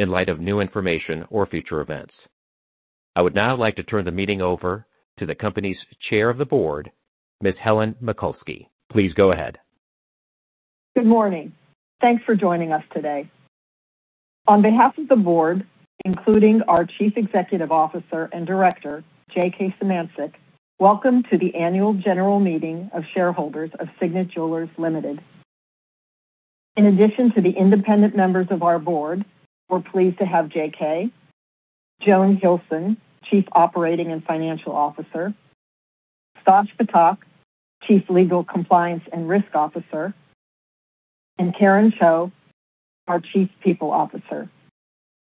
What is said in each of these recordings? In light of new information or future events. I would now like to turn the meeting over to the company's Chair of the Board, Ms. Helen McCluskey. Please go ahead. Good morning. Thanks for joining us today. On behalf of the Board, including our Chief Executive Officer and Director, J.K. Symancyk, welcome to the Annual General Meeting of Shareholders of Signet Jewelers Limited. In addition to the independent members of our Board, we're pleased to have J.K., Joan Hilson, Chief Operating and Financial Officer, Stash Ptak, Chief Legal Compliance and Risk Officer, and Karen Cho, our Chief People Officer,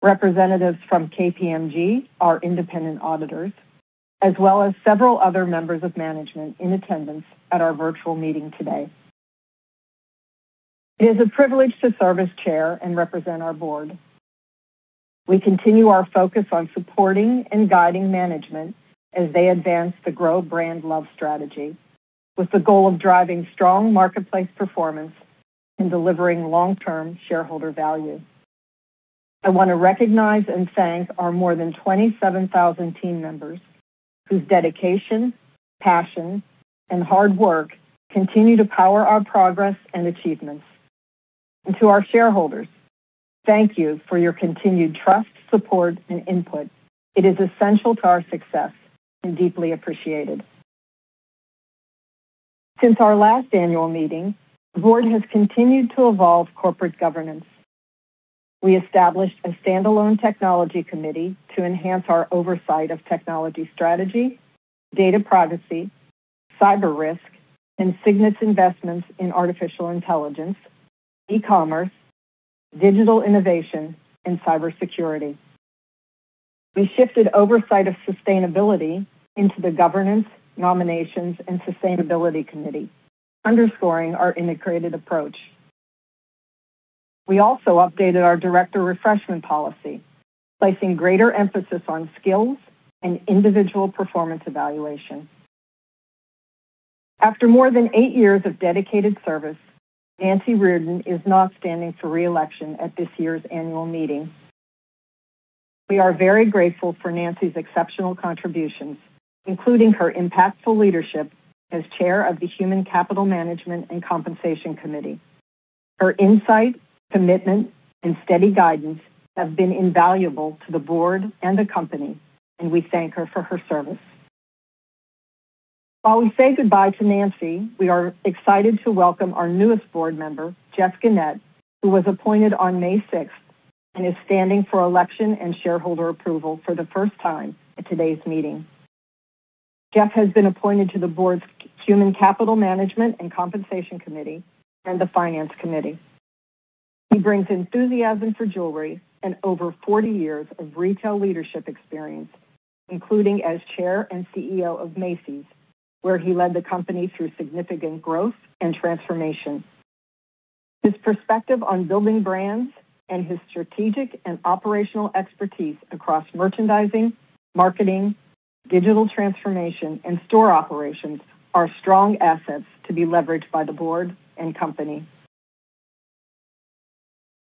representatives from KPMG, our independent auditors, as well as several other members of management in attendance at our virtual meeting today. It is a privilege to serve as Chair and represent our Board. We continue our focus on supporting and guiding management as they advance the Grow Brand Love strategy with the goal of driving strong marketplace performance and delivering long-term shareholder value. I want to recognize and thank our more than 27,000 team members whose dedication, passion, and hard work continue to power our progress and achievements. And to our shareholders, thank you for your continued trust, support, and input. It is essential to our success and deeply appreciated. Since our last annual meeting, the Board has continued to evolve corporate governance. We established a standalone technology committee to enhance our oversight of technology strategy, data privacy, cyber risk, and Signet's investments in artificial intelligence, e-commerce, digital innovation, and cybersecurity. We shifted oversight of sustainability into the Governance, Nominations and Sustainability Committee, underscoring our integrated approach. We also updated our Director Refreshment Policy, placing greater emphasis on skills and individual performance evaluation. After more than eight years of dedicated service, Nancy Reardon is not standing for re-election at this year's annual meeting. We are very grateful for Nancy's exceptional contributions, including her impactful leadership as Chair of the Human Capital Management and Compensation Committee. Her insight, commitment, and steady guidance have been invaluable to the Board and the company, and we thank her for her service. While we say goodbye to Nancy, we are excited to welcome our newest Board member, Jeff Gennette, who was appointed on May 6th and is standing for election and shareholder approval for the first time at today's meeting. Jeff has been appointed to the Board's Human Capital Management and Compensation Committee and the Finance Committee. He brings enthusiasm for jewelry and over 40 years of retail leadership experience, including as Chair and CEO of Macy's, where he led the company through significant growth and transformation. His perspective on building brands and his strategic and operational expertise across merchandising, marketing, digital transformation, and store operations are strong assets to be leveraged by the Board and company.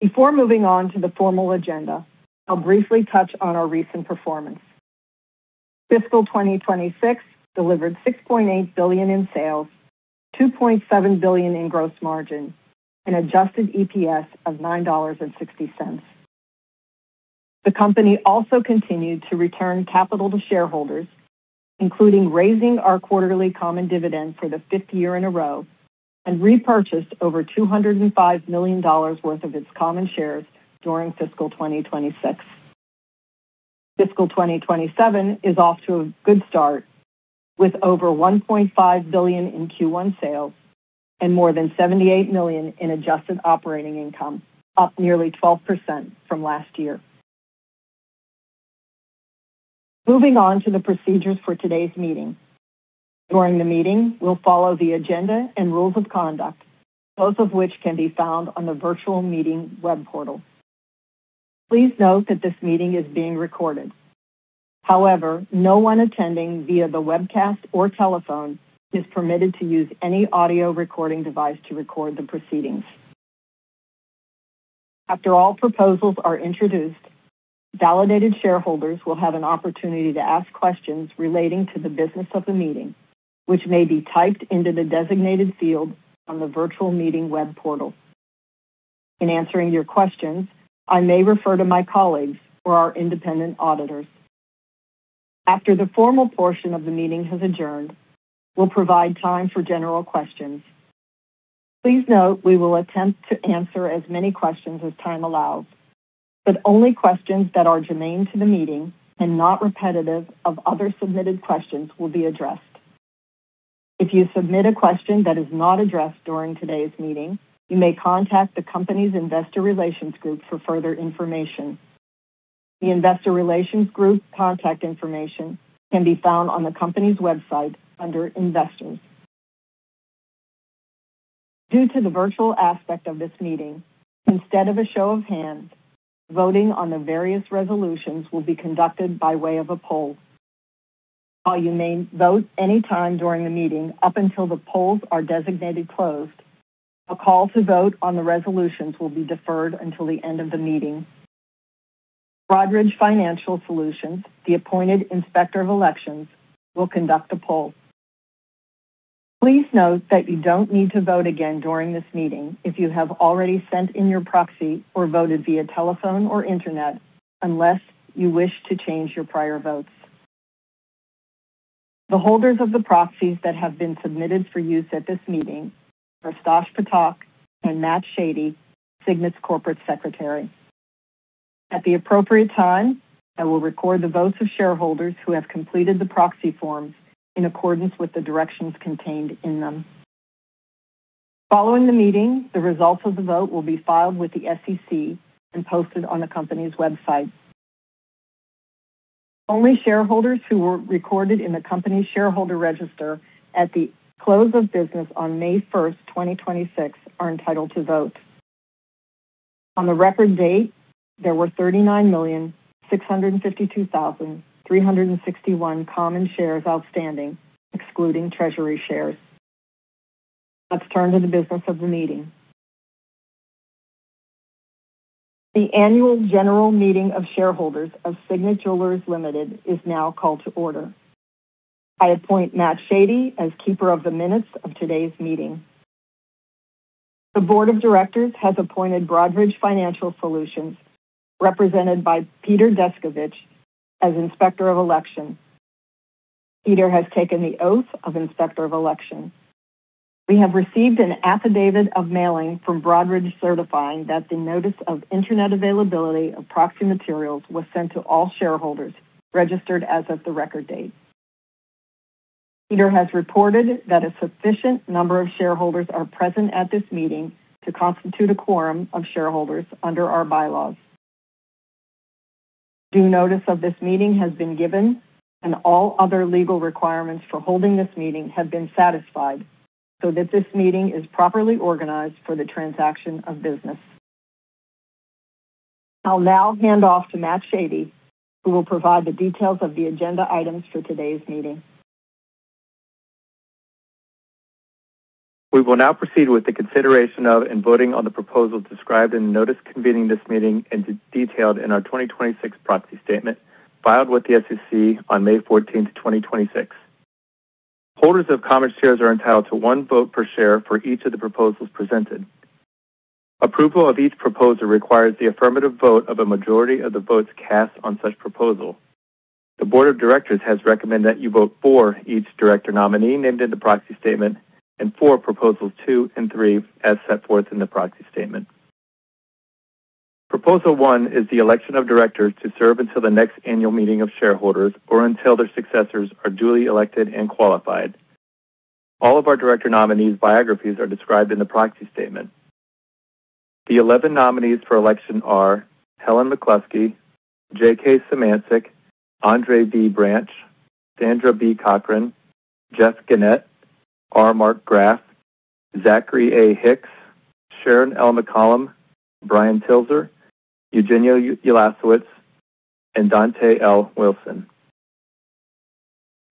Before moving on to the formal agenda, I will briefly touch on our recent performance. Fiscal 2026 delivered $6.8 billion in sales, $2.7 billion in gross margin, an adjusted EPS of $9.60. The company also continued to return capital to shareholders, including raising our quarterly common dividend for the fifth year in a row and repurchased over $205 million worth of its common shares during fiscal 2026. Fiscal 2027 is off to a good start with over $1.5 billion in Q1 sales and more than $78 million in adjusted operating income, up nearly 12% from last year. Moving on to the procedures for today's meeting. During the meeting, we will follow the agenda and rules of conduct, both of which can be found on the virtual meeting web portal. Please note that this meeting is being recorded. However, no one attending via the webcast or telephone is permitted to use any audio recording device to record the proceedings. After all proposals are introduced, validated shareholders will have an opportunity to ask questions relating to the business of the meeting, which may be typed into the designated field on the virtual meeting web portal. In answering your questions, I may refer to my colleagues or our independent auditors. After the formal portion of the meeting has adjourned, we will provide time for general questions. Please note, we will attempt to answer as many questions as time allows, but only questions that are germane to the meeting and not repetitive of other submitted questions will be addressed. If you submit a question that is not addressed during today's meeting, you may contact the company's investor relations group for further information. The investor relations group's contact information can be found on the company's website under Investors. Due to the virtual aspect of this meeting, instead of a show of hands, voting on the various resolutions will be conducted by way of a poll. While you may vote any time during the meeting up until the polls are designated closed, a call to vote on the resolutions will be deferred until the end of the meeting. Broadridge Financial Solutions, the appointed Inspector of Elections, will conduct the polls. Please note that you don't need to vote again during this meeting if you have already sent in your proxy or voted via telephone or internet, unless you wish to change your prior votes. The holders of the proxies that have been submitted for use at this meeting are Stash Ptak and Matt Shady, Signet's Corporate Secretary. At the appropriate time, I will record the votes of shareholders who have completed the proxy forms in accordance with the directions contained in them. Following the meeting, the results of the vote will be filed with the SEC and posted on the company's website. Only shareholders who were recorded in the company's shareholder register at the close of business on May 1st, 2026, are entitled to vote. On the record date, there were 39,652,361 common shares outstanding, excluding treasury shares. Let's turn to the business of the meeting. The Annual General Meeting of Shareholders of Signet Jewelers Limited is now called to order. I appoint Matt Shady as keeper of the minutes of today's meeting. The Board of Directors has appointed Broadridge Financial Solutions, represented by Peter Descovich, as Inspector of Elections. Peter has taken the oath of Inspector of Elections. We have received an affidavit of mailing from Broadridge certifying that the notice of internet availability of proxy materials was sent to all shareholders registered as of the record date. Peter has reported that a sufficient number of shareholders are present at this meeting to constitute a quorum of shareholders under our bylaws. Due notice of this meeting has been given, and all other legal requirements for holding this meeting have been satisfied so that this meeting is properly organized for the transaction of business. I'll now hand off to Matt Shady, who will provide the details of the agenda items for today's meeting. We will now proceed with the consideration of and voting on the proposal described in the notice convening this meeting and detailed in our 2026 proxy statement filed with the SEC on May 14th, 2026. Holders of common shares are entitled to one vote per share for each of the proposals presented. Approval of each proposal requires the affirmative vote of a majority of the votes cast on such proposal. The Board of Directors has recommended that you vote for each director nominee named in the proxy statement and for proposals two and three as set forth in the proxy statement. Proposal one is the election of directors to serve until the next Annual Meeting of Shareholders or until their successors are duly elected and qualified. All of our director nominees' biographies are described in the proxy statement. The 11 nominees for election are Helen McCluskey, J.K. Symancyk, André B. Branch, Sandra B. Cochran, Jeff Gennette, R. Mark Graf, Zackery A. Hicks, Sharon L. McCollam, Brian Tilzer, Eugenia Ulasewicz, and Dontá L. Wilson.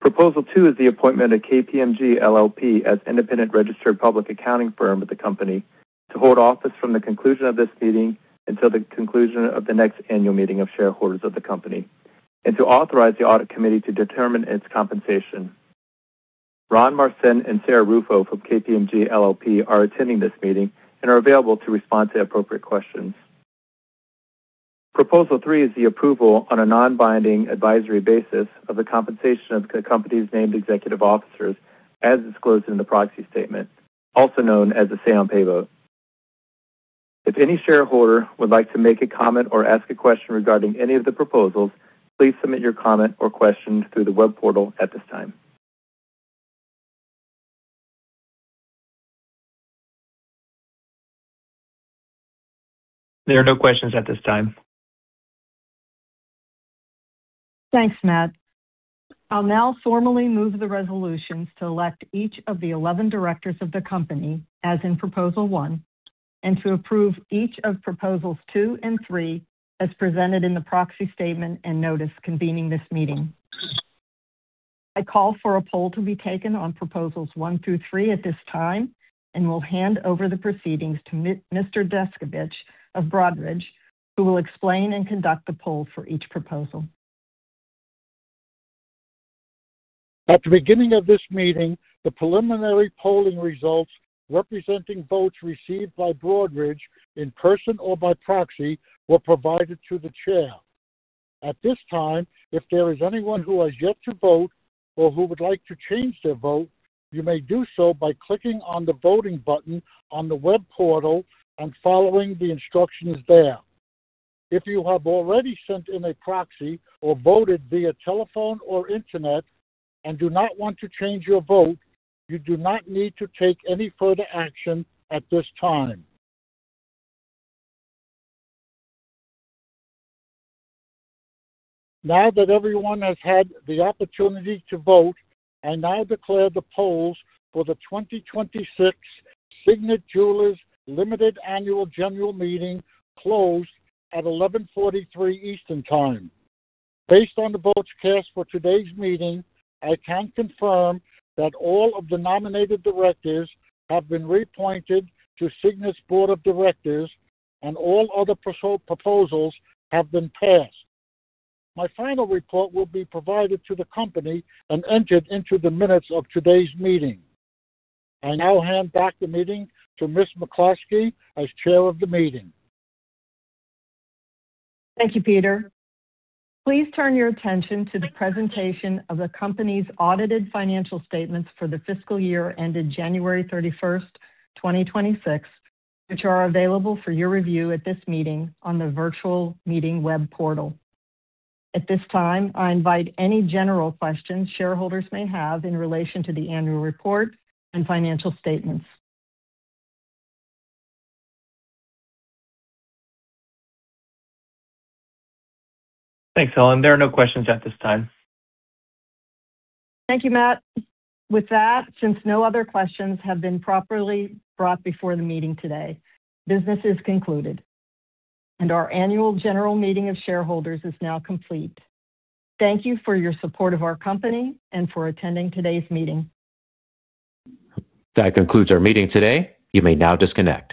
Proposal two is the appointment of KPMG LLP as independent registered public accounting firm of the company to hold office from the conclusion of this meeting until the conclusion of the next Annual Meeting of Shareholders of the company, and to authorize the audit committee to determine its compensation. Ron Marcin and Sara Rufo from KPMG LLP are attending this meeting and are available to respond to appropriate questions. Proposal three is the approval on a non-binding advisory basis of the compensation of the company's named executive officers as disclosed in the proxy statement, also known as the Say on Pay vote. If any shareholder would like to make a comment or ask a question regarding any of the proposals, please submit your comment or question through the web portal at this time. There are no questions at this time. Thanks, Matt. I'll now formally move the resolutions to elect each of the 11 directors of the company, as in proposal one, and to approve each of proposals two and three as presented in the proxy statement and notice convening this meeting. I call for a poll to be taken on proposals one through three at this time and will hand over the proceedings to Mr. Descovich of Broadridge, who will explain and conduct a poll for each proposal. At the beginning of this meeting, the preliminary polling results representing votes received by Broadridge in person or by proxy were provided to the Chair. At this time, if there is anyone who has yet to vote or who would like to change their vote, you may do so by clicking on the voting button on the web portal and following the instructions there. If you have already sent in a proxy or voted via telephone or internet and do not want to change your vote, you do not need to take any further action at this time. Now that everyone has had the opportunity to vote, I now declare the polls for the 2026 Signet Jewelers Limited Annual General Meeting closed at 11:43 A.M. Eastern Time. Based on the votes cast for today's meeting, I can confirm that all of the nominated directors have been reappointed to Signet's Board of Directors and all other proposals have been passed. My final report will be provided to the company and entered into the minutes of today's meeting. I now hand back the meeting to Ms. McCluskey as Chair of the meeting. Thank you, Peter. Please turn your attention to the presentation of the company's audited financial statements for the fiscal year ended January 31st, 2026, which are available for your review at this meeting on the virtual meeting web portal. At this time, I invite any general questions shareholders may have in relation to the annual report and financial statements. Thanks, Helen. There are no questions at this time. Thank you, Matt. With that, since no other questions have been properly brought before the meeting today, business is concluded, and our Annual General Meeting of Shareholders is now complete. Thank you for your support of our company and for attending today's meeting. That concludes our meeting today. You may now disconnect.